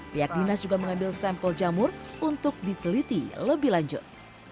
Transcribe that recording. pihak dinas juga mengambil sampel jamur untuk diteliti lebih lanjut